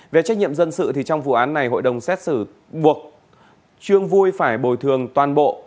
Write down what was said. về trách nhiệm dân sự thì trong vụ án này hội đồng xét xử buộc trương vui phải bồi thường toàn bộ